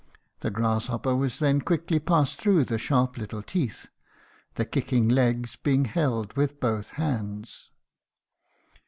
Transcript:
The grasshopper was then quickly passed through the sharp little teeth, the kicking legs being held with both hands.